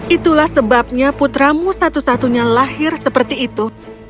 itulah sebabnya putramu satu satunya lahir seperti itu